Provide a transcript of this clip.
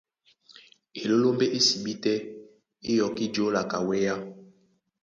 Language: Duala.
Elélómbé é sibí tɛ́ é yɔkí jǒla ka wéá.